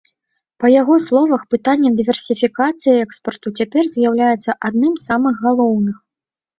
Па яго словах, пытанне дыверсіфікацыі экспарту цяпер з'яўляецца адным з самых галоўных.